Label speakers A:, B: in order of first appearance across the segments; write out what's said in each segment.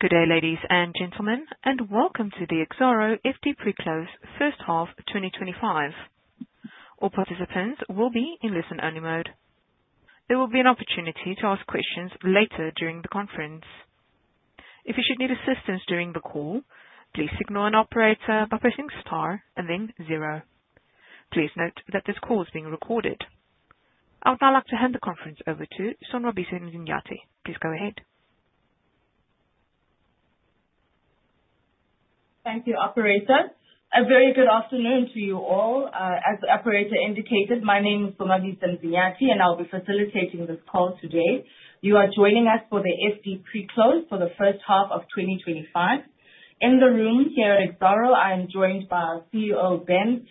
A: Good day, ladies and gentlemen, and Welcome to the Exxaro IFTTT Pre-Close, first half 2025. All participants will be in listen-only mode. There will be an opportunity to ask questions later during the conference. If you should need assistance during the call, please signal an operator by pressing star and then zero. Please note that this call is being recorded. I would now like to hand the conference over to Sonwabise Mzinyathi. Please go ahead.
B: Thank you, Operator. A very good afternoon to you all. As the Operator indicated, my name is Sonwabise Mzinyathi, and I'll be facilitating this call today. You are joining us for the IFTTT Pre-Close for the first half of 2025. In the room here at Exxaro, I am joined by our CEO, Ben,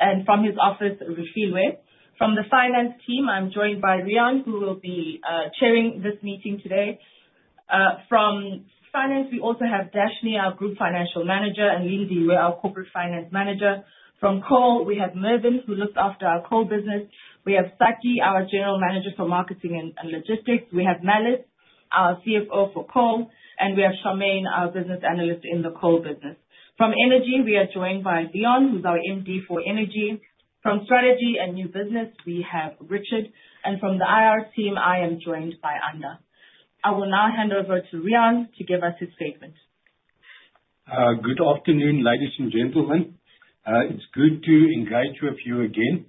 B: and from his office, Rofhiwa. From the Finance team, I'm joined by Riaan, who will be chairing this meeting today. From Finance, we also have Dashni, our Group Financial Manager, and Lindiwe, our Corporate Finance Manager. From Coal, we have Mervin, who looks after our Coal business. We have Sakkie, our General Manager for Marketing and Logistics. We have Mellis, our CFO for Coal, and we have Charmaine, our Business Analyst in the Coal business. From Energy, we are joined by Leon, who's our MD for Energy. From Strategy and New Business, we have Richard, and from the IR team, I am joined by Anda. I will now hand over to Riaan to give us his statement.
C: Good afternoon, ladies and gentlemen. It's good to invite you a few again.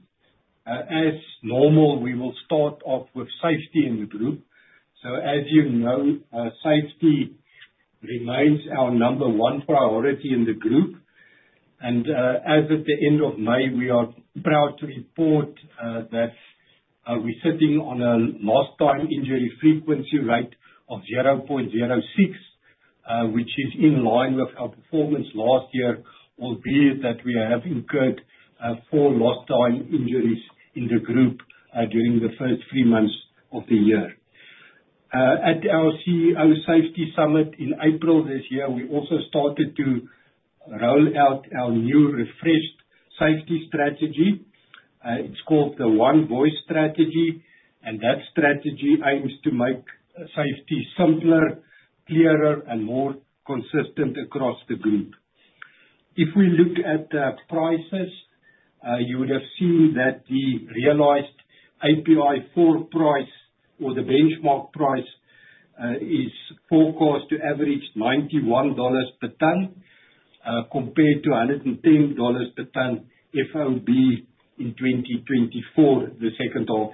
C: As normal, we will start off with safety in the group. As you know, safety remains our number one priority in the group. As of the end of May, we are proud to report that we're sitting on a lost-time injury frequency rate of 0.06, which is in line with our performance last year, albeit that we have incurred four lost-time injuries in the group during the first three months of the year. At our CEO Safety Summit in April this year, we also started to roll out our new refreshed safety strategy. It's called the One Voice Strategy, and that strategy aims to make safety simpler, clearer, and more consistent across the group. If we look at the prices, you would have seen that the realized API for price or the benchmark price is forecast to average $91 per ton compared to $110 per ton FOB in 2024, the second half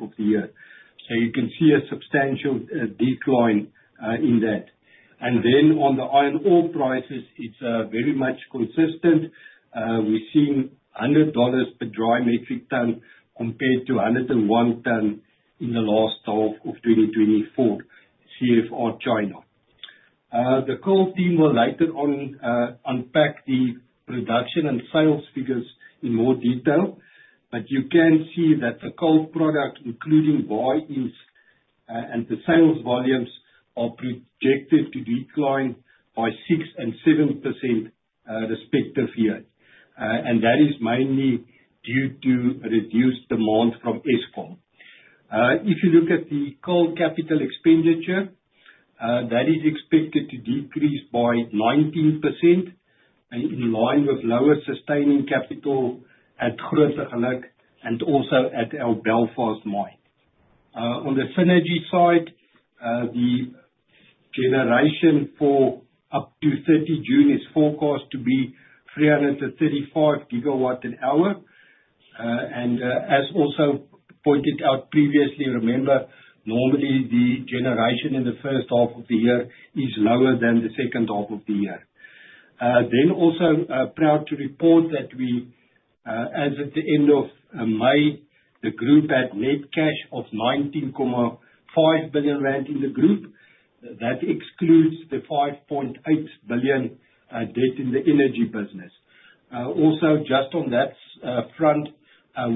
C: of the year. You can see a substantial decline in that. On the iron ore prices, it is very much consistent. We are seeing $100 per dry metric ton compared to $101 per ton in the last half of 2024 CFR China. The Coal team will later on unpack the production and sales figures in more detail, but you can see that the coal product, including bi-years, and the sales volumes are projected to decline by 6% and 7% respective year. That is mainly due to reduced demand from Eskom. If you look at the Coal capital expenditure, that is expected to decrease by 19% in line with lower sustaining capital at Grootegeluk and also at our Belfast mine. On the synergy side, the generation for up to 30 June is forecast to be 335 GW an hour. As also pointed out previously, remember, normally the generation in the first half of the year is lower than the second half of the year. Also proud to report that we, as of the end of May, the group had net cash of 19.5 billion rand in the group. That excludes the 5.8 billion debt in the energy business. Just on that front,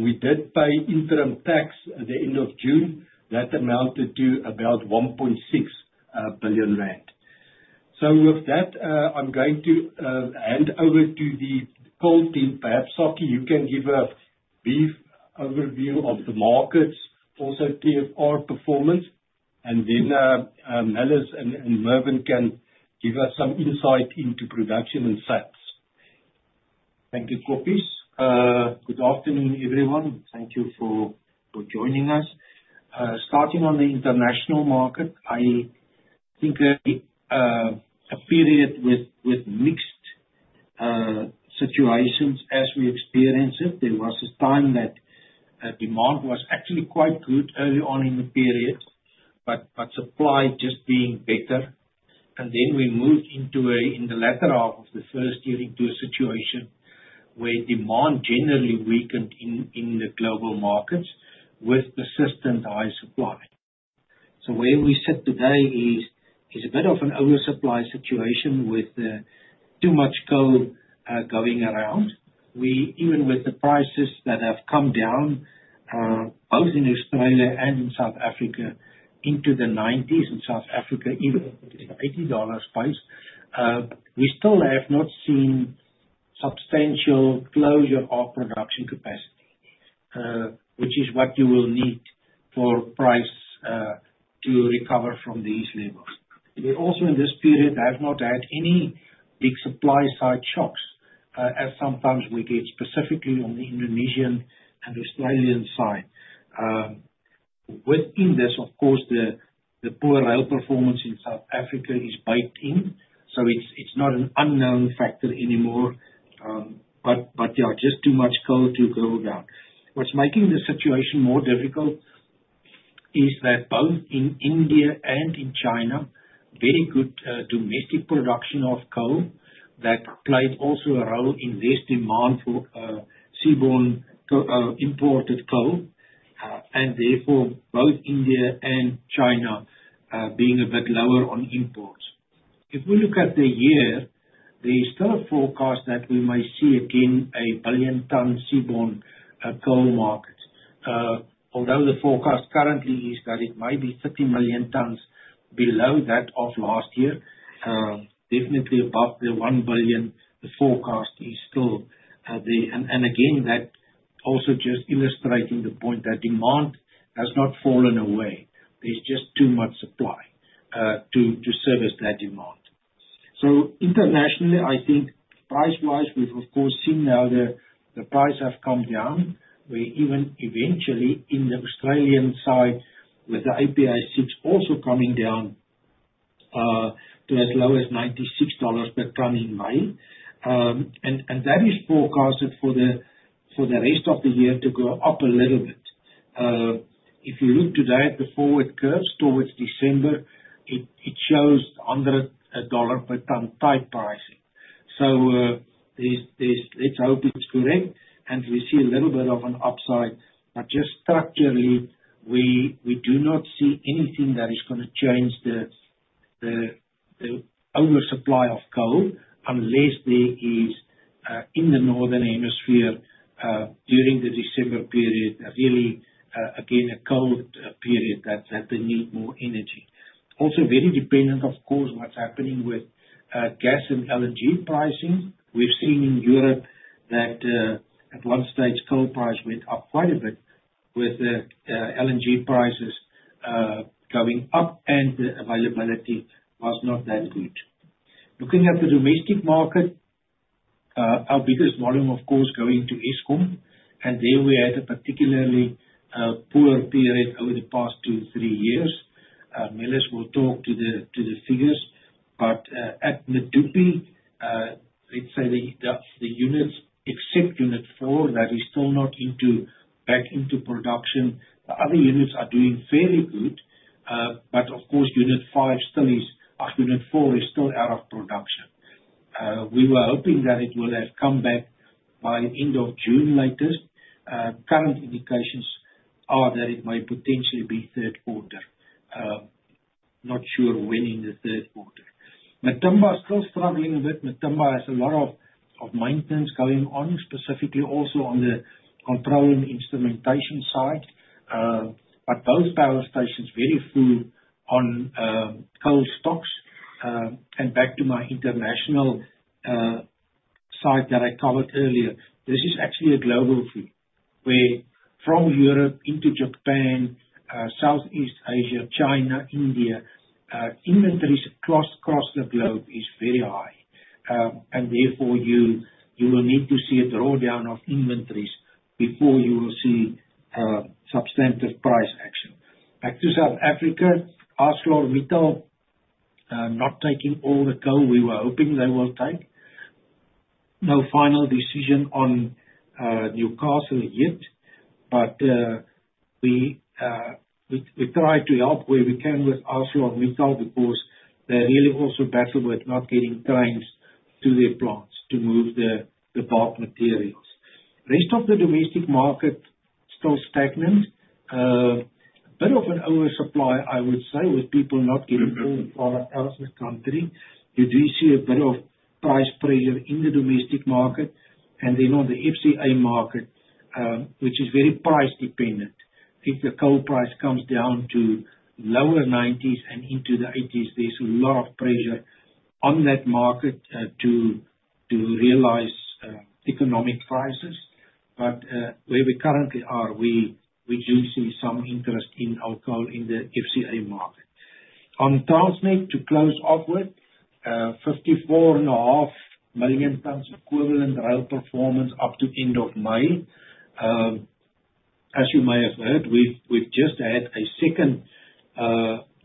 C: we did pay interim tax at the end of June. That amounted to about 1.6 billion rand. With that, I'm going to hand over to the Coal team. Perhaps Sakkie, you can give a brief overview of the markets, also TFR performance, and then Mellis and Mervin can give us some insight into production and sales.
D: Thank you, Koppeschar. Good afternoon, everyone. Thank you for joining us. Starting on the international market, I think a period with mixed situations as we experience it. There was a time that demand was actually quite good early on in the period, but supply just being better. We moved into, in the latter half of the first year, a situation where demand generally weakened in the global markets with persistent high supply. Where we sit today is a bit of an oversupply situation with too much coal going around. Even with the prices that have come down, both in Australia and in South Africa, into the $90s and South Africa even into the $80 space, we still have not seen substantial closure of production capacity, which is what you will need for price to recover from these levels. We also in this period have not had any big supply side shocks as sometimes we get specifically on the Indonesian and Australian side. Within this, of course, the poor rail performance in South Africa is baked in, so it's not an unknown factor anymore, but there are just too much coal to go down. What's making the situation more difficult is that both in India and in China, very good domestic production of coal that played also a role in this demand for seaborne imported coal, and therefore both India and China being a bit lower on imports. If we look at the year, there is still a forecast that we may see again a billion-ton seaborne coal market, although the forecast currently is that it may be 30 million tons below that of last year. Definitely above the 1 billion, the forecast is still there. That also just illustrates the point that demand has not fallen away. There is just too much supply to service that demand. Internationally, I think price-wise, we have of course seen now the price come down, where even eventually on the Australian side with the API 6 also coming down to as low as $96 per ton in May. That is forecasted for the rest of the year to go up a little bit. If you look today at the forward curves towards December, it shows under $100 per ton type pricing. Let's hope it is correct and we see a little bit of an upside, but just structurally, we do not see anything that is going to change the oversupply of coal unless there is in the northern hemisphere during the December period really again a cold period that they need more energy. Also very dependent, of course, on what's happening with gas and LNG pricing. We've seen in Europe that at one stage coal price went up quite a bit with the LNG prices going up and the availability was not that good. Looking at the domestic market, our biggest volume, of course, going to Eskom, and there we had a particularly poor period over the past two, three years. Mellis will talk to the figures, but at Medupi, let's say the units except unit four that is still not back into production, the other units are doing fairly good, but of course unit five still is unit four is still out of production. We were hoping that it will have come back by end of June latest. Current indications are that it may potentially be third quarter. Not sure when in the third quarter. Matimba is still struggling a bit. Matimba has a lot of maintenance going on, specifically also on the controlling instrumentation side, but both power stations very full on coal stocks. Back to my international side that I covered earlier, this is actually a global thing where from Europe into Japan, Southeast Asia, China, India, inventories across the globe is very high. Therefore you will need to see a drawdown of inventories before you will see substantive price action. Back to South Africa, ArcelorMittal South Africa not taking all the coal we were hoping they will take. No final decision on Newcastle yet, but we try to help where we can with ArcelorMittal South Africa because they really also battle with not getting trains to their plants to move the bulk materials. Rest of the domestic market still stagnant. A bit of an oversupply, I would say, with people not getting coal from out of the country. You do see a bit of price pressure in the domestic market and then on the FCA market, which is very price dependent. If the coal price comes down to lower 90s and into the 80s, there's a lot of pressure on that market to realize economic prices. Where we currently are, we do see some interest in our coal in the FCA market. On Transnet to close off with, 54.5 million tons equivalent rail performance up to end of May. As you may have heard, we've just had a second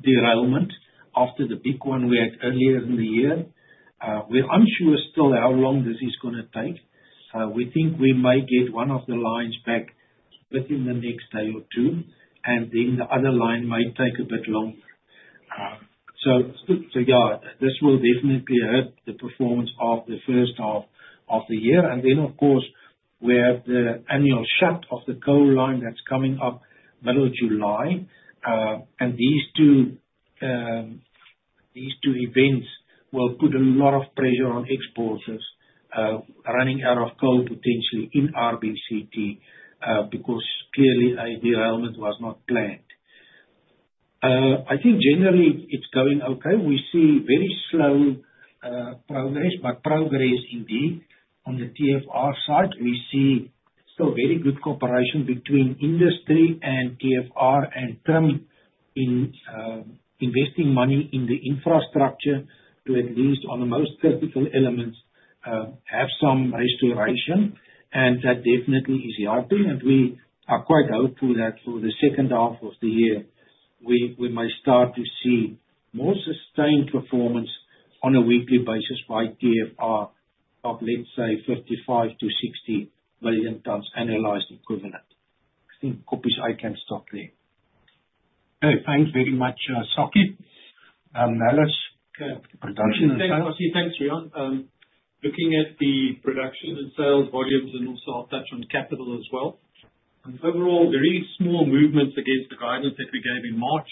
D: derailment after the big one we had earlier in the year. We're unsure still how long this is going to take. We think we may get one of the lines back within the next day or two, and the other line may take a bit longer. Yeah, this will definitely hurt the performance of the first half of the year. Of course, we have the annual shut of the coal line that's coming up middle of July. These two events will put a lot of pressure on exporters running out of coal potentially in RBCT because clearly a derailment was not planned. I think generally it's going okay. We see very slow progress, but progress indeed. On the TFR side, we see still very good cooperation between industry and TFR and Transnet in investing money in the infrastructure to at least on the most critical elements have some restoration. That definitely is helping. We are quite hopeful that for the second half of the year, we may start to see more sustained performance on a weekly basis by TFR of, let's say, 55 million to 60 million tons analyzed equivalent. I think Koppeschar, I can stop there.
C: Thanks very much, Sakkie. Mellis, production and sales.
E: Thanks, Riaan. Looking at the production and sales volumes and also I'll touch on capital as well. Overall, very small movements against the guidance that we gave in March.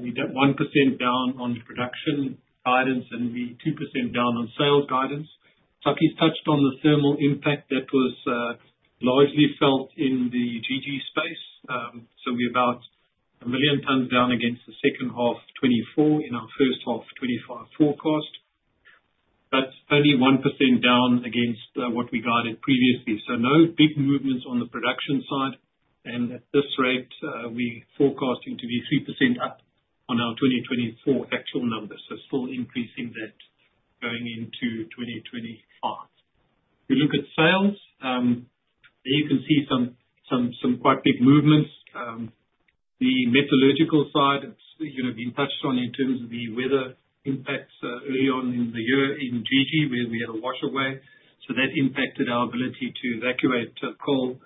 E: We got 1% down on production guidance and we are 2% down on sales guidance. Sakkie's touched on the thermal impact that was largely felt in the GG space. We are about 1 million tons down against the second half 2024 in our first half 2025 forecast. That is only 1% down against what we guided previously. No big movements on the production side. At this rate, we are forecasting to be 3% up on our 2024 actual numbers. Still increasing that going into 2025. We look at sales. There you can see some quite big movements. The metallurgical side, it's been touched on in terms of the weather impacts early on in the year in GG where we had a wash away. That impacted our ability to evacuate coal.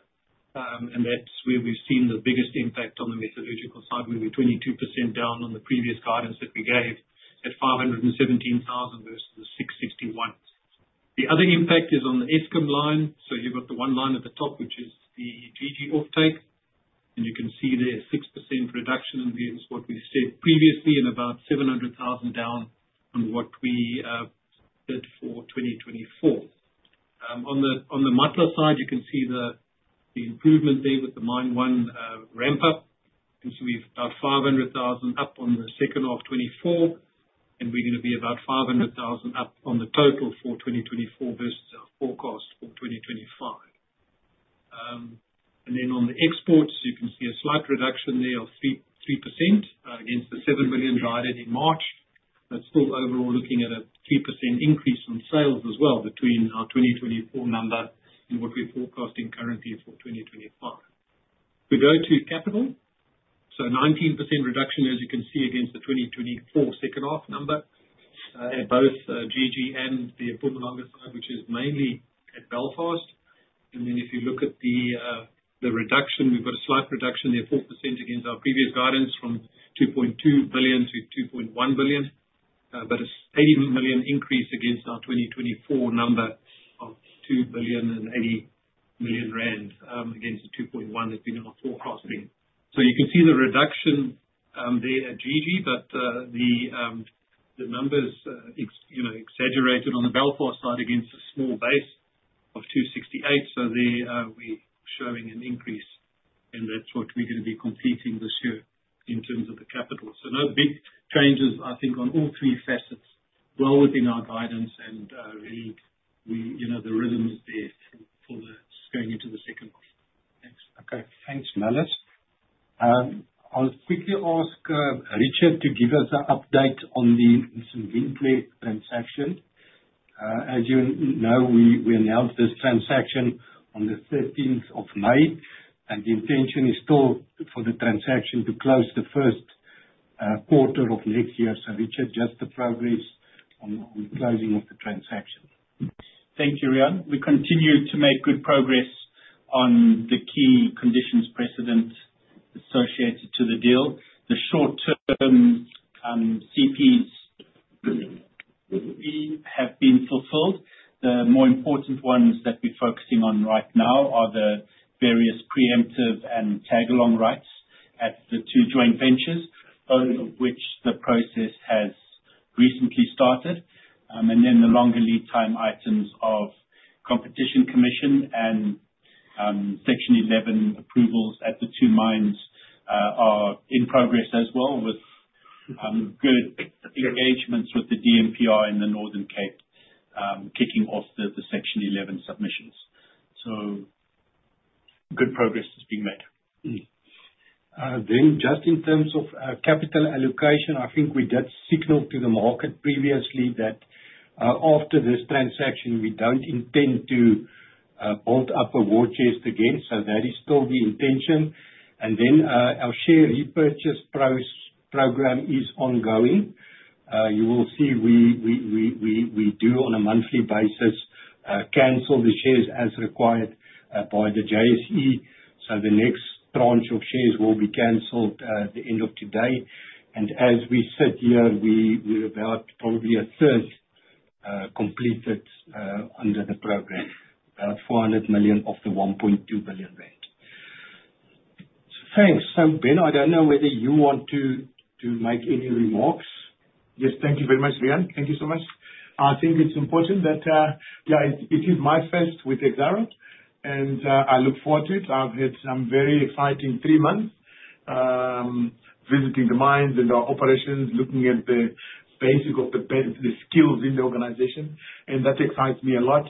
E: That is where we've seen the biggest impact on the metallurgical side. We were 22% down on the previous guidance that we gave at 517,000 versus the 661,000. The other impact is on the Eskom line. You have the one line at the top, which is the GG offtake. You can see there is a 6% reduction in there. It is what we said previously and about 700,000 down on what we did for 2024. On the Matla side, you can see the improvement there with the mine one ramp-up. We have 500,000 up on the second half 2024. We are going to be about 500,000 up on the total for 2024 versus our forecast for 2025. On the exports, you can see a slight reduction there of 3% against the 7 million guided in March. That is still overall looking at a 3% increase in sales as well between our 2024 number and what we are forecasting currently for 2025. We go to capital. There is a 19% reduction, as you can see, against the 2024 second half number at both GG and the Mpumalanga side, which is mainly at Belfast. If you look at the reduction, we have a slight reduction there, 4% against our previous guidance from 2.2 billion to 2.1 billion. It is 80 million increase against our 2024 number of 2 billion and 80 million rand against the 2.1 billion that has been our forecasting. You can see the reduction there at GG, but the numbers are exaggerated on the Belfast side against a small base of 268. There we are showing an increase. That is what we are going to be completing this year in terms of the capital. No big changes, I think, on all three facets. Well within our guidance and really the rhythm is there for going into the second half. Thanks.
C: Okay. Thanks, Mellis. I'll quickly ask Richard to give us an update on the windplay transaction. As you know, we announced this transaction on the 13th of May. The intention is still for the transaction to close the first quarter of next year. Richard, just the progress on closing of the transaction.
F: Thank you, Riaan. We continue to make good progress on the key conditions precedent associated to the deal. The short-term CPs have been fulfilled. The more important ones that we're focusing on right now are the various preemptive and tagalong rights at the two joint ventures, both of which the process has recently started. The longer lead time items of competition commission and Section 11 approvals at the two mines are in progress as well with good engagements with the DMPR in the Northern Cape kicking off the Section 11 submissions. Good progress is being made. In terms of capital allocation, I think we did signal to the market previously that after this transaction, we do not intend to bolt up a war chest again. That is still the intention. Our share repurchase program is ongoing. You will see we do on a monthly basis cancel the shares as required by the JSE. The next tranche of shares will be canceled at the end of today. As we sit here, we are about probably a third completed under the program, about 400 million of the 1.2 billion rand.
C: Thanks. Ben, I do not know whether you want to make any remarks.
G: Yes, thank you very much, Riaan. Thank you so much. I think it's important that, yeah, it is my first with Exxaro. I look forward to it. I've had some very exciting three months visiting the mines and our operations, looking at the basic of the skills in the organization. That excites me a lot.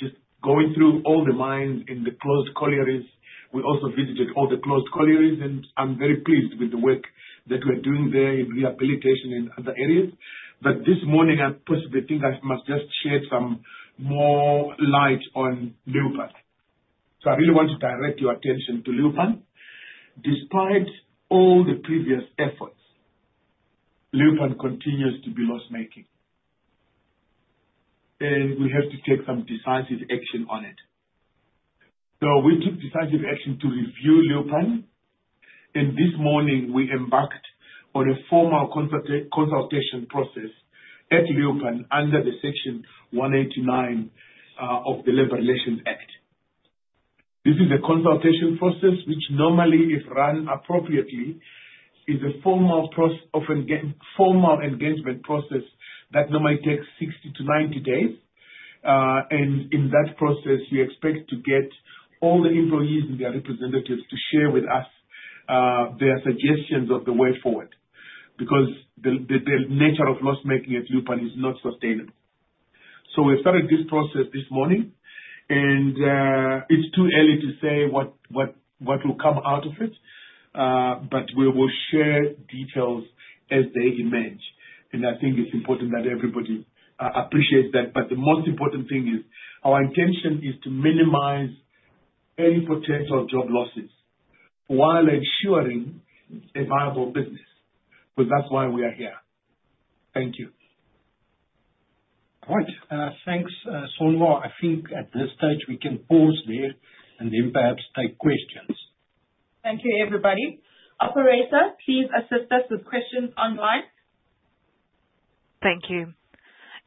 G: Just going through all the mines and the closed collieries, we also visited all the closed collieries. I'm very pleased with the work that we're doing there in rehabilitation and other areas. This morning, I possibly think I must just shed some more light on Leeuwpan. I really want to direct your attention to Leeuwpan. Despite all the previous efforts, Leeuwpan continues to be loss-making. We have to take some decisive action on it. We took decisive action to review Leeuwpan. This morning, we embarked on a formal consultation process at Leeuwpan under Section 189 of the Labor Relations Act. This is a consultation process which normally, if run appropriately, is a formal engagement process that normally takes 60 to 90 days. In that process, we expect to get all the employees and their representatives to share with us their suggestions of the way forward because the nature of loss-making at Leeuwpan is not sustainable. We have started this process this morning. It is too early to say what will come out of it. We will share details as they emerge. I think it is important that everybody appreciates that. The most important thing is our intention is to minimize any potential job losses while ensuring a viable business. That is why we are here. Thank you.
C: All right. Thanks, Sonwabise. I think at this stage, we can pause there and then perhaps take questions.
B: Thank you, everybody. Operator, please assist us with questions online.
A: Thank you.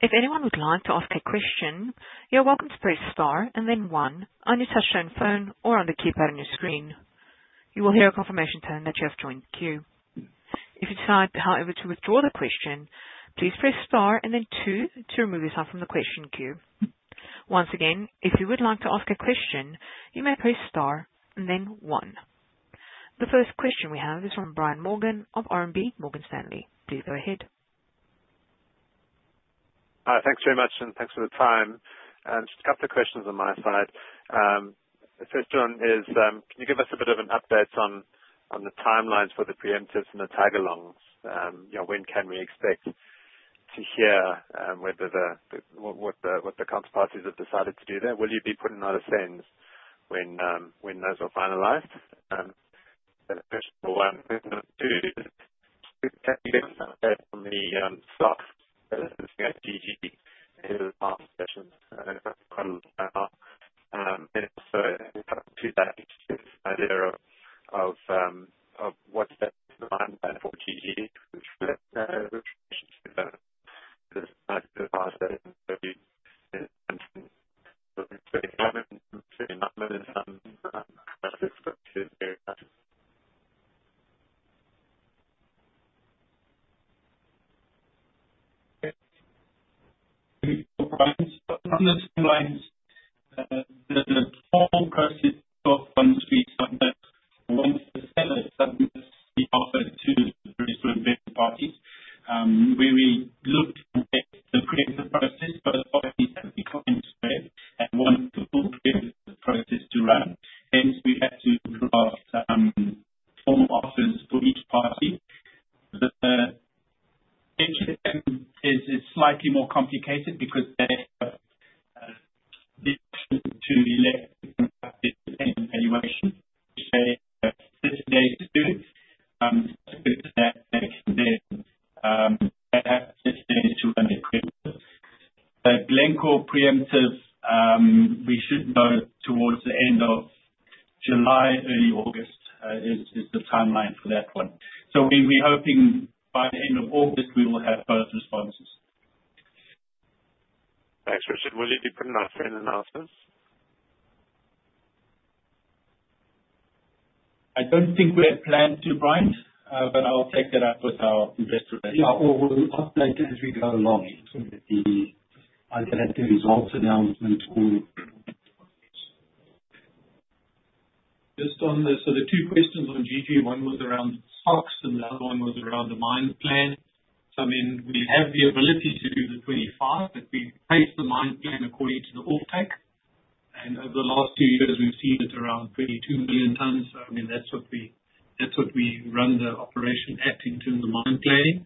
A: If anyone would like to ask a question, you're welcome to press star and then one on your touchscreen phone or on the keypad on your screen. You will hear a confirmation tone that you have joined the queue. If you decide, however, to withdraw the question, please press star and then two to remove yourself from the question queue. Once again, if you would like to ask a question, you may press star and then one. The first question we have is from Brian Morgan of RMB Morgan Stanley. Please go ahead.
H: Thanks very much and thanks for the time. Just a couple of questions on my side. The first one is, can you give us a bit of an update on the timelines for the preemptives and the tag-alongs? When can we expect to hear what the counterparties have decided to do there? Will you be putting out a sense when those are finalized? The first one is to get you guys updated on the stock that is at GG in the past session. Also to that, just this idea of what's the plan for GG, which we've had a discussion with the past day. It is very common to not know the sum.
F: On the timelines, the whole process of once we submit, once the seller submits the offer to the various third-party parties, we looked at the creative process. Parties have declined today and want to pull the creative process to run. Hence, we had to draft formal offers for each party. The HSM is slightly more complicated because they have the option to elect different types of evaluation, which they have 30 days to do. They have 30 days to run the creative. Glencore preemptive, we should know towards the end of July, early August is the timeline for that one. We are hoping by the end of August, we will have both responses.
H: Thanks, Richard. Will you be putting out a sale announcement?
F: I don't think we're planned to, Brian, but I'll take that up with our investors.
G: Yeah, we'll update as we go along. The alternative results announcement will.
E: Just on the two questions on GG, one was around the stocks and the other one was around the mine plan. I mean, we have the ability to do the 25, but we place the mine plan according to the offtake. Over the last two years, we've seen it around 22 million tons. I mean, that's what we run the operation at in terms of mine planning.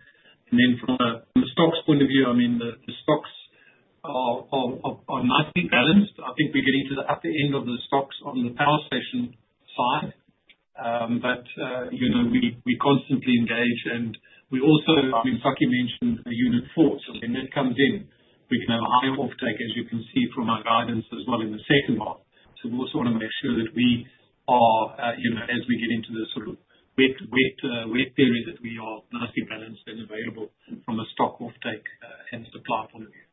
E: From a stocks point of view, the stocks are nicely balanced. I think we're getting to the upper end of the stocks on the power station side. We constantly engage. Sakkie mentioned Unit 4. When that comes in, we can have a higher offtake, as you can see from our guidance as well in the second half. We also want to make sure that we are, as we get into the sort of wet period, that we are nicely balanced and available from a stock offtake and supply point of view.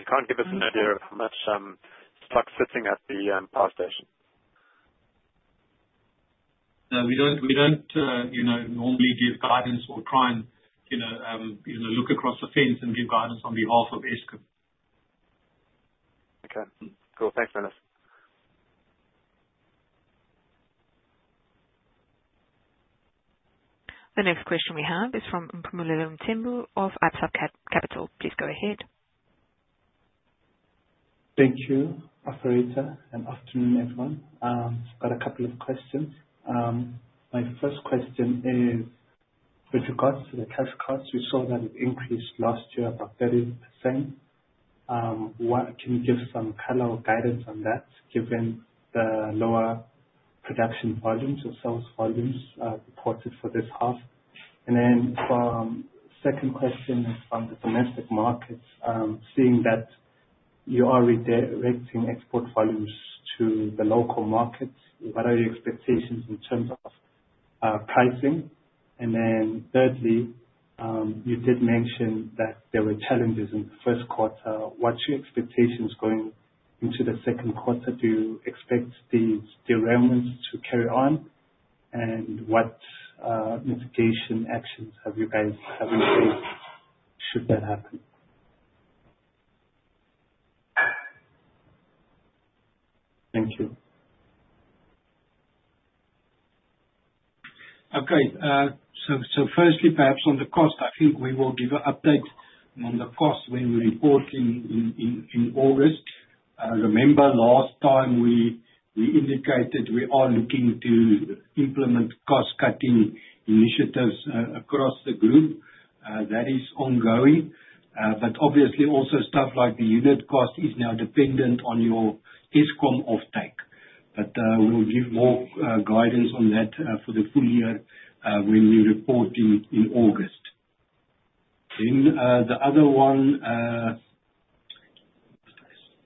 H: You can't give us an idea of how much stock sitting at the power station?
E: We don't normally give guidance. We'll try and look across the fence and give guidance on behalf of Eskom.
H: Okay. Cool. Thanks, Mellis.
A: The next question we have is from Mpumelelo Mthembu of Absa Capital. Please go ahead.
I: Thank you, Operator. Afternoon, everyone. I've got a couple of questions. My first question is, with regards to the cash costs, we saw that it increased last year by 30%. Can you give some color or guidance on that, given the lower production volumes or sales volumes reported for this half? The second question is from the domestic markets. Seeing that you are redirecting export volumes to the local markets, what are your expectations in terms of pricing? Thirdly, you did mention that there were challenges in the first quarter. What are your expectations going into the second quarter? Do you expect these derailments to carry on? What mitigation actions have you guys taken should that happen? Thank you.
G: Okay. Firstly, perhaps on the cost, I think we will give an update on the cost when we report in August. Remember, last time we indicated we are looking to implement cost-cutting initiatives across the group. That is ongoing. Obviously, also stuff like the unit cost is now dependent on your Eskom offtake. We will give more guidance on that for the full year when we report in August. The other one.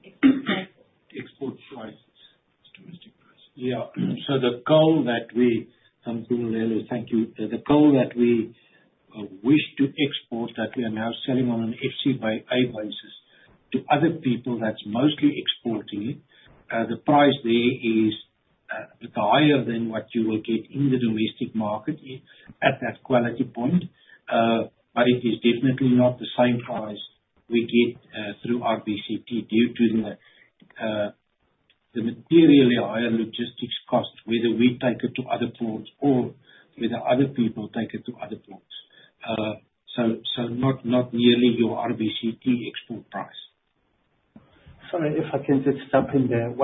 G: Export prices. Export prices. Yeah. The goal that we—Mpumelelo, thank you—the goal that we wish to export, that we are now selling on an FCI basis to other people that's mostly exporting it, the price there is higher than what you will get in the domestic market at that quality point. It is definitely not the same price we get through RBCT due to the materially higher logistics cost, whether we take it to other ports or whether other people take it to other ports. Not nearly your RBCT export price.
I: Sorry, if I can just jump in there,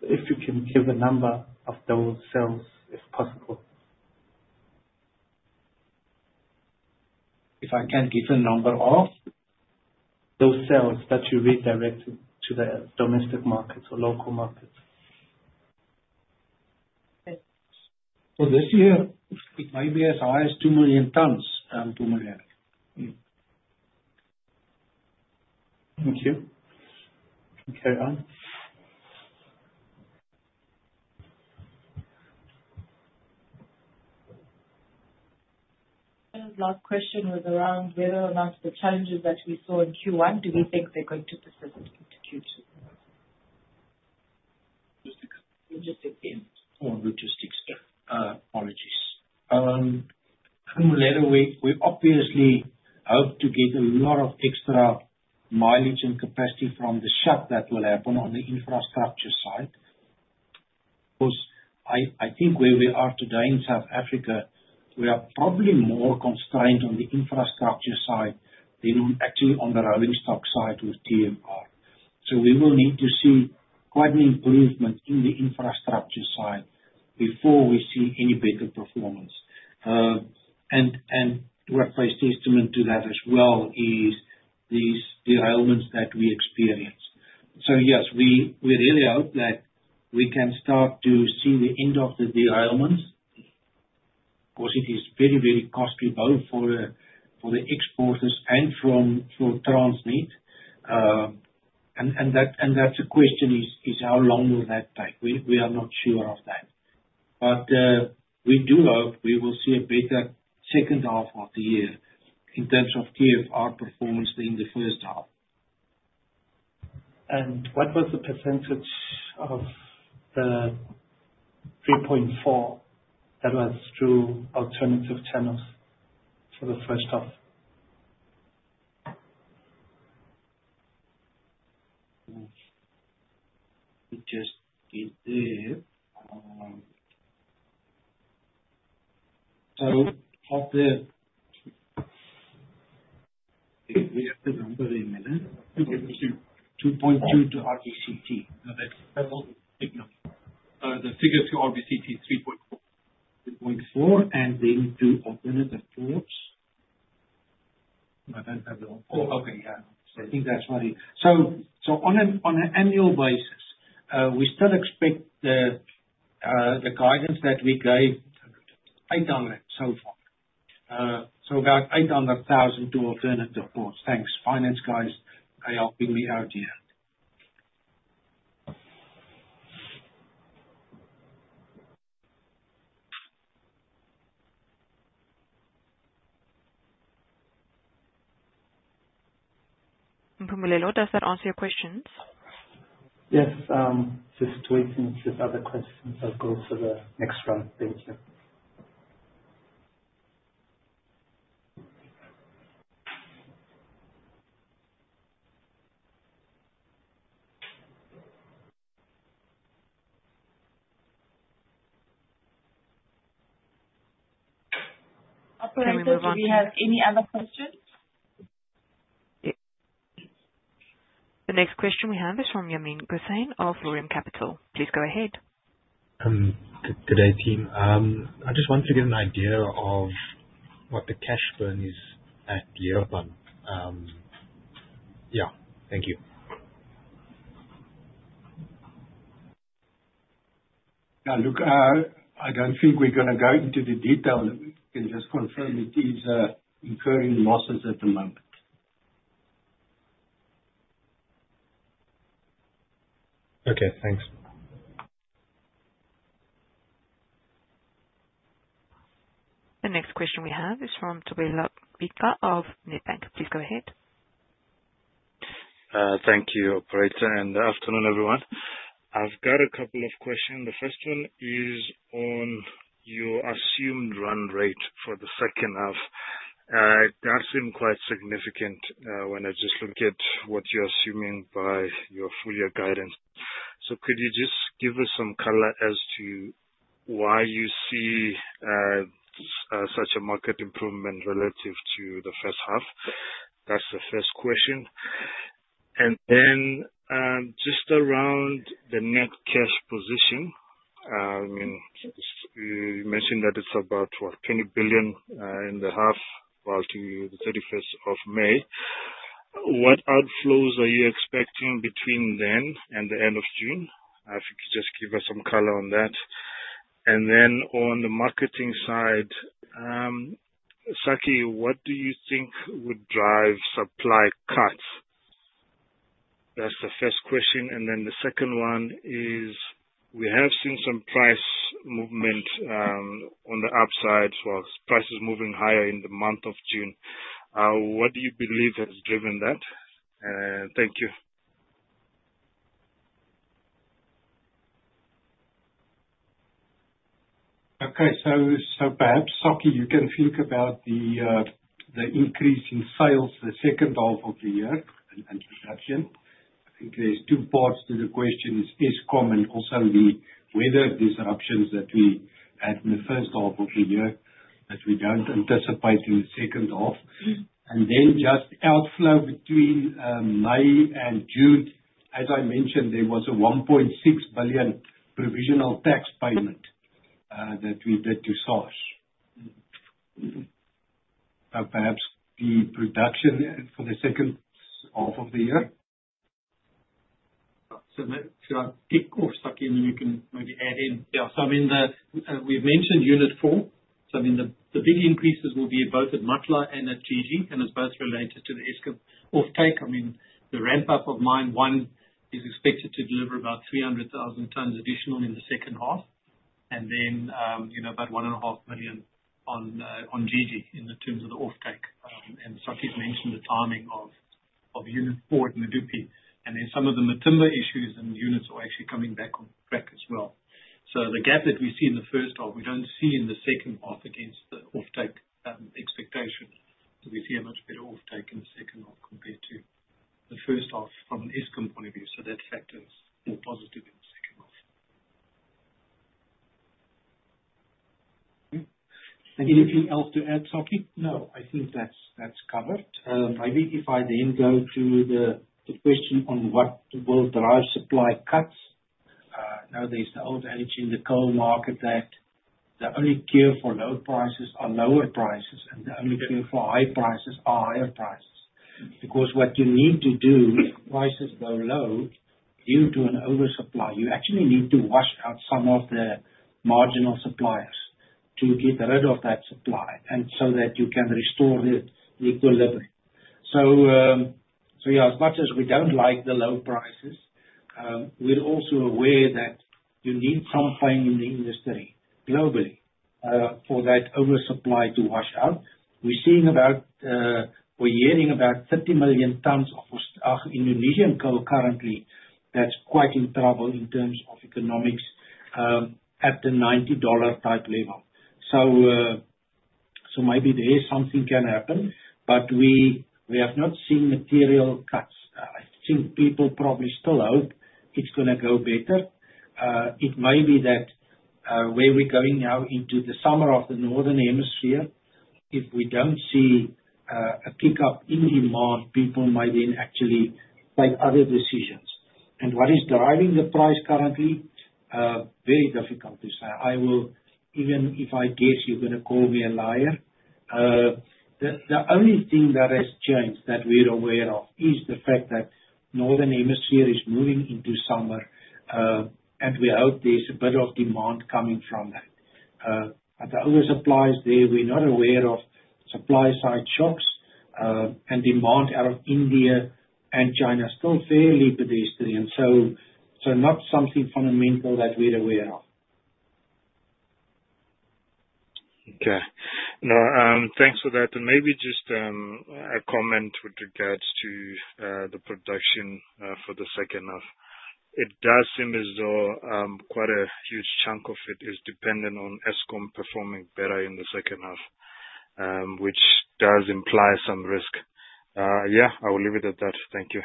I: if you can give a number of those sales, if possible.
G: If I can give a number of those sales that you redirect to the domestic markets or local markets? This year, it may be as high as 2 million tons.
I: Thank you.
B: Last question was around whether or not the challenges that we saw in Q1, do we think they're going to persist into Q2?
J: Logistics.
K: Logistics.
G: Apologies. Mpumelelo, we obviously hope to get a lot of extra mileage and capacity from the shutdown that will happen on the infrastructure side. I think where we are today in South Africa, we are probably more constrained on the infrastructure side than actually on the rolling stock side with TFR. We will need to see quite an improvement in the infrastructure side before we see any better performance. To a fair testament to that as well is these derailments that we experienced. Yes, we really hope that we can start to see the end of the derailments. Of course, it is very, very costly, both for the exporters and for Transnet. The question is, how long will that take? We are not sure of that. We do hope we will see a better second half of the year in terms of TFR performance than the first half.
I: What was the percentage of the 3.4 that was through alternative channels for the first half?
G: We just did there. Of the—we have the number in Mellon? 2.2. 2.2 to RBCT. The figure to RBCT is 3.4. 3.4. And then to alternative ports? I don't have the answer. Oh, okay. Yeah. I think that's what it is. On an annual basis, we still expect the guidance that we gave—800 so far. About 800,000 to alternative ports. Thanks. Finance guys are helping me out here.
A: Mpumelelo, does that answer your questions?
I: Yes. Just waiting for other questions. I'll go for the next round. Thank you.
B: Operator, do we have any other questions?
A: The next question we have is from Yamin Ghosein of RM Capital. Please go ahead.
L: Good day, team. I just want to get an idea of what the cash burn is at Leeuwpan. Yeah. Thank you.
G: Look, I don't think we're going to go into the detail. We can just confirm it is incurring losses at the moment.
L: Okay. Thanks.
M: The next question we have is from Thobela Bixa of Nedbank. Please go ahead.
N: Thank you, Operator. Afternoon, everyone. I've got a couple of questions. The first one is on your assumed run rate for the second half. That seemed quite significant when I just looked at what you're assuming by your full year guidance. Could you just give us some color as to why you see such a market improvement relative to the first half? That's the first question. Just around the net cash position, I mean, you mentioned that it's about 20 billion in the half until the 31st of May. What outflows are you expecting between then and the end of June? If you could just give us some color on that. On the marketing side, Sakkie, what do you think would drive supply cuts? That's the first question. The second one is, we have seen some price movement on the upside. Price is moving higher in the month of June. What do you believe has driven that? Thank you.
G: Okay. Perhaps, Sakkie, you can think about the increase in sales the second half of the year and production. I think there's two parts to the question. It's Eskom and also the weather disruptions that we had in the first half of the year that we don't anticipate in the second half. Just outflow between May and June. As I mentioned, there was a 1.6 billion provisional tax payment that we did to SARS. Perhaps the production for the second half of the year. Should I kick off, Sakkie, and then you can maybe add in? Yeah. I mean, we've mentioned Unit 4. The big increases will be both at Matla and at GG, and it's both related to the Eskom offtake. The ramp-up of mine one is expected to deliver about 300,000 tons additional in the second half. Then about 1.5 million on GG in terms of the offtake. Sakkie's mentioned the timing of Unit 4 at Medupi. Some of the Matimba issues and units are actually coming back on track as well. The gap that we see in the first half, we don't see in the second half against the offtake expectation. We see a much better offtake in the second half compared to the first half from an Eskom point of view. That factor is more positive in the second half. Anything else to add, Sakkie?
D: No, I think that's covered. Maybe if I then go to the question on what will drive supply cuts. Now, there's the old adage in the coal market that the only cure for low prices are lower prices, and the only cure for high prices are higher prices. Because what you need to do if prices go low due to an oversupply, you actually need to wash out some of the marginal suppliers to get rid of that supply so that you can restore the equilibrium. As much as we don't like the low prices, we're also aware that you need some funding in the industry globally for that oversupply to wash out. We're seeing about we're yielding about 30 million tons of Indonesian coal currently. That's quite in trouble in terms of economics at the $90 type level. Maybe there's something can happen, but we have not seen material cuts. I think people probably still hope it's going to go better. It may be that where we're going now into the summer of the northern hemisphere, if we don't see a kick-up in demand, people might then actually take other decisions. What is driving the price currently? Very difficult to say. Even if I guess you're going to call me a liar, the only thing that has changed that we're aware of is the fact that the northern hemisphere is moving into summer, and we hope there's a bit of demand coming from that. The oversupply is there, we're not aware of supply-side shocks, and demand out of India and China is still fairly pedestrian. Not something fundamental that we're aware of.
N: No, thanks for that. Maybe just a comment with regards to the production for the second half. It does seem as though quite a huge chunk of it is dependent on Eskom performing better in the second half, which does imply some risk. I will leave it at that. Thank you.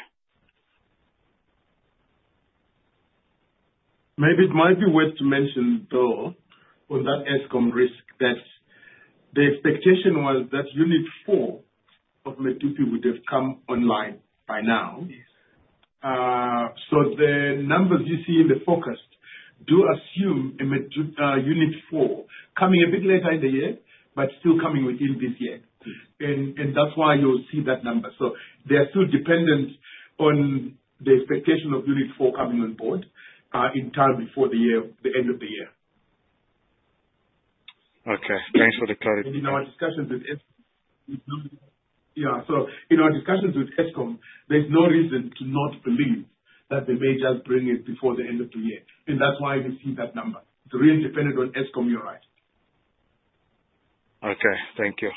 E: Maybe it might be worth to mention though, on that Eskom risk, that the expectation was that Unit 4 of Medupi would have come online by now. The numbers you see in the forecast do assume Unit 4 coming a bit later in the year, but still coming within this year. That is why you'll see that number. They are still dependent on the expectation of Unit 4 coming on board in time before the end of the year.
N: Okay. Thanks for the clarification. Yeah. In our discussions with Eskom, there's no reason to not believe that they may just bring it before the end of the year. That's why we see that number. It's really dependent on Eskom, you're right. Okay. Thank you.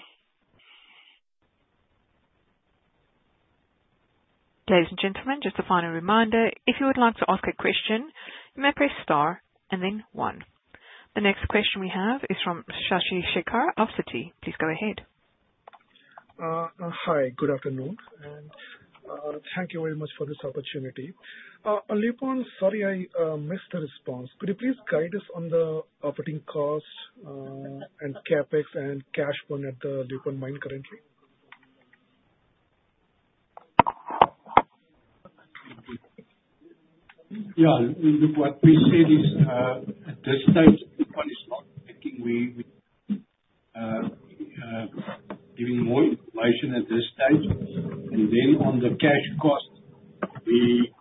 A: Ladies and gentlemen, just a final reminder. If you would like to ask a question, you may press star and then one. The next question we have is from Shashi Shekhar of Citi. Please go ahead.
O: Hi, good afternoon. Thank you very much for this opportunity. On Leeuwpan, sorry I missed the response. Could you please guide us on the operating cost and CapEx and cash burn at the Leeuwpan mine currently?
G: Yeah. Look, what we see is at this stage, Leeuwpan is not picking. We're giving more information at this stage. On the cash cost, we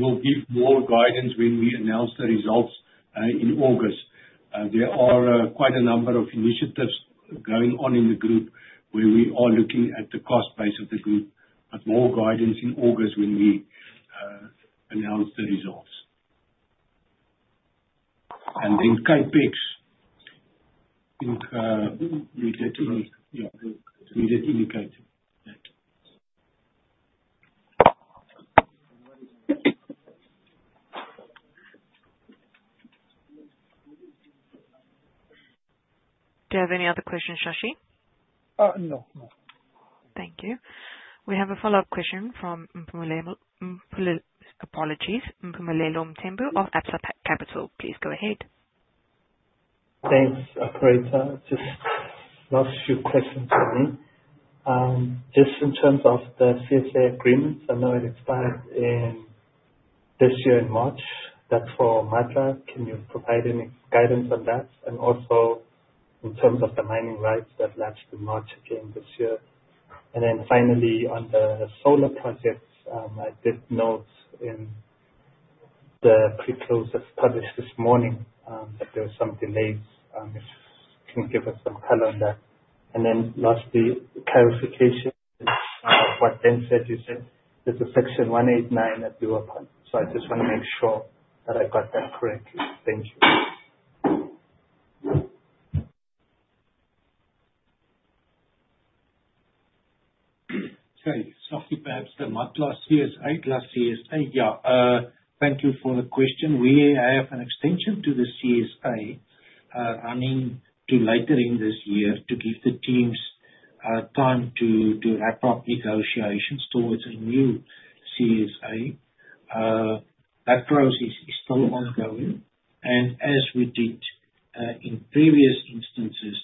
G: will give more guidance when we announce the results in August. There are quite a number of initiatives going on in the group where we are looking at the cost base of the group, but more guidance in August when we announce the results. CapEx, we did indicate that.
A: Do you have any other questions, Shashi?
O: No. No.
A: Thank you. We have a follow-up question from Mpumelelo Mthembu of Absa Capital. Please go ahead.
I: Thanks, Operator. Just last few questions for me. Just in terms of the CSA agreements, I know it expired this year in March. That's for Matla. Can you provide any guidance on that? Also in terms of the mining rights that last in March again this year. Finally, on the solar projects, I did note in the pre-closes published this morning that there were some delays. If you can give us some color on that. Lastly, clarification of what Ben said. You said there's a section 189 at Leeuwpan. I just want to make sure that I got that correctly. Thank you.
G: Okay. Sakkie, perhaps the Matla CSA last year. Yeah. Thank you for the question. We have an extension to the CSA running to later in this year to give the teams time to wrap up negotiations towards a new CSA. That process is still ongoing. As we did in previous instances,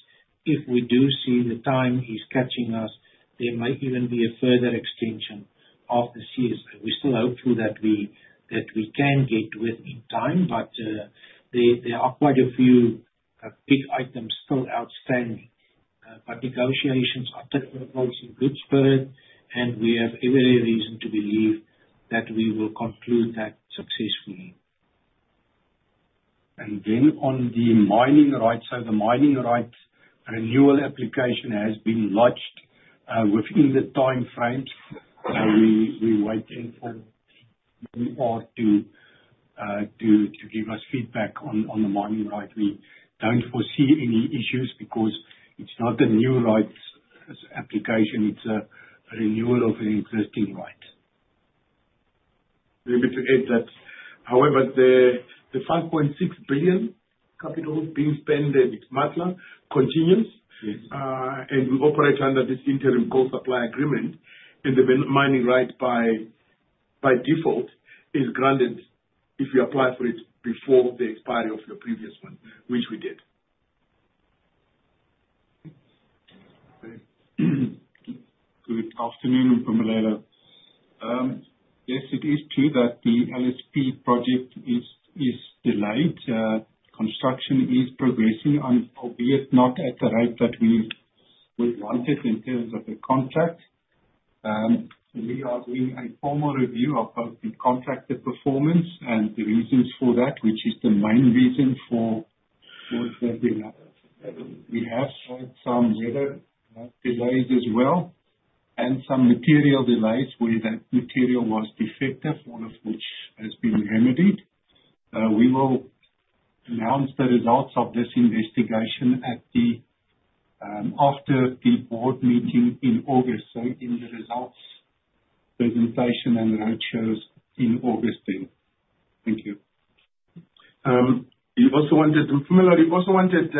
G: if we do see the time is catching us, there might even be a further extension of the CSA. We're still hopeful that we can get within time, but there are quite a few big items still outstanding. Negotiations are taking place in good spirit, and we have every reason to believe that we will conclude that successfully.
D: On the mining rights, the mining rights renewal application has been lodged within the time frames. We're waiting for the new org to give us feedback on the mining rights. We do not foresee any issues because it is not a new rights application. It is a renewal of an existing right.
E: Maybe to add that, however, the 5.6 billion capital being spent at Matla continues, and we operate under this interim coal supply agreement. The mining right by default is granted if you apply for it before the expiry of your previous one, which we did.
F: Good afternoon, Mpumelelo. Yes, it is true that the LSP project is delayed. Construction is progressing, albeit not at the rate that we would want it in terms of the contract. We are doing a formal review of both the contracted performance and the reasons for that, which is the main reason for what we have. We had some weather delays as well and some material delays where that material was defective, all of which has been remedied. We will announce the results of this investigation after the board meeting in August, so in the results presentation and roadshows in August then. Thank you.
E: You also wanted Mpumelelo, you also wanted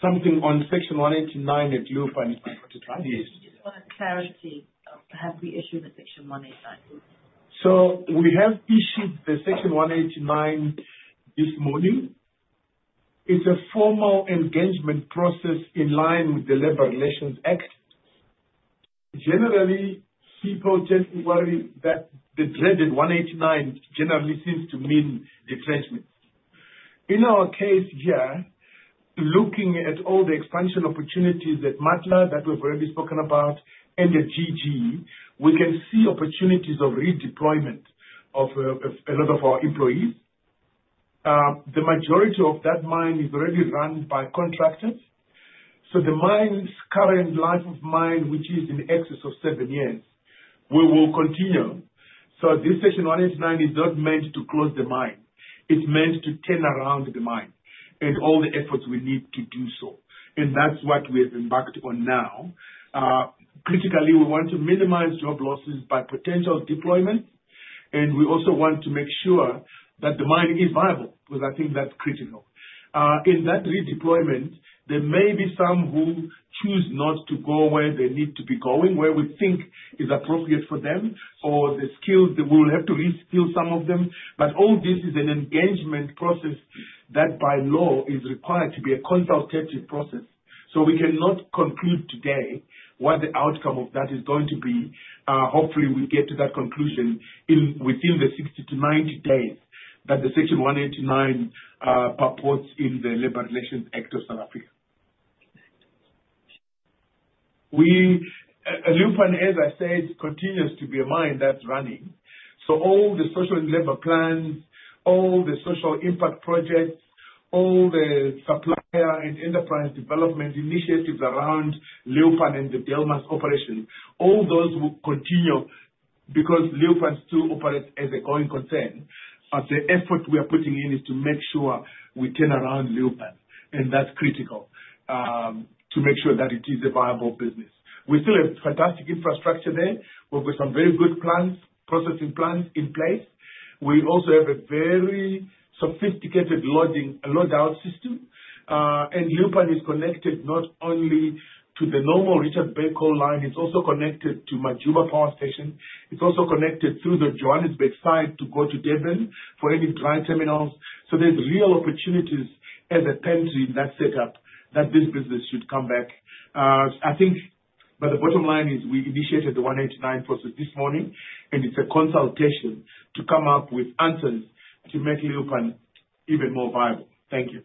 E: something on section 189 at Leeuwpan. If I got it right.
I: Just wanted clarity. Have we issued the section 189?
E: We have issued the section 189 this morning. It's a formal engagement process in line with the Labour Relations Act. Generally, people tend to worry that the dreaded 189 generally seems to mean detriment. In our case here, looking at all the expansion opportunities at Matla that we've already spoken about and at GG, we can see opportunities of redeployment of a lot of our employees. The majority of that mine is already run by contractors. The mine's current life of mine, which is in excess of seven years, we will continue. This section 189 is not meant to close the mine. It's meant to turn around the mine and all the efforts we need to do so. That's what we have embarked on now. Critically, we want to minimize job losses by potential deployment. We also want to make sure that the mine is viable because I think that's critical. In that redeployment, there may be some who choose not to go where they need to be going, where we think is appropriate for them, or the skills that we will have to re-skill some of them. All this is an engagement process that by law is required to be a consultative process. We cannot conclude today what the outcome of that is going to be. Hopefully, we get to that conclusion within the 60 to 90 days that the section 189 purports in the Labour Relations Act of South Africa. Leeuwpan, as I said, continues to be a mine that's running. All the social and labor plans, all the social impact projects, all the supplier and enterprise development initiatives around Leeuwpan and the Delmas operation, all those will continue because Leeuwpan still operates as a going concern. The effort we are putting in is to make sure we turn around Leeuwpan. That is critical to make sure that it is a viable business. We still have fantastic infrastructure there. We've got some very good processing plants in place. We also have a very sophisticated loading and load-out system. Leeuwpan is connected not only to the normal Richards Bay coal line. It is also connected to Majuba Power Station. It is also connected through the Johannesburg side to go to Durban for any dry terminals. There are real opportunities as a pantry in that setup that this business should come back. I think the bottom line is we initiated the 189 process this morning, and it's a consultation to come up with answers to make Leeuwpan even more viable. Thank you.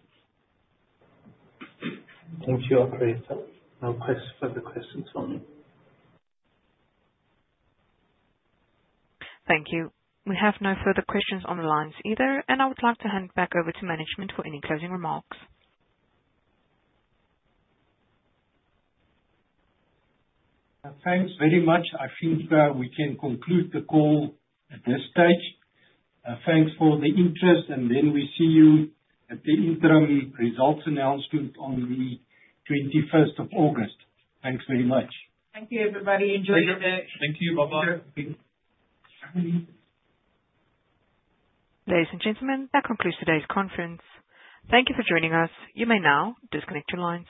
I: Thank you, Operator. No further questions from me.
A: Thank you. We have no further questions on the lines either. I would like to hand back over to management for any closing remarks.
C: Thanks very much. I think we can conclude the call at this stage. Thanks for the interest. We see you at the interim results announcement on the 21st of August. Thanks very much.
B: Thank you, everybody. Enjoy your day.
E: Thank you. Bye-bye.
A: Ladies and gentlemen, that concludes today's conference. Thank you for joining us. You may now disconnect your lines.